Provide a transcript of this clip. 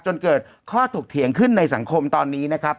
จนเกิดข้อถกเถียงขึ้นในสังคมตอนนี้นะครับ